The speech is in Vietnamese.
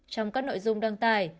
trong các nội dung đăng tài